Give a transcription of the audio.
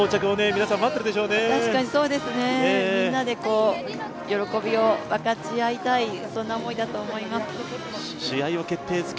みんなで喜びを分かち合いたい思いだと思います。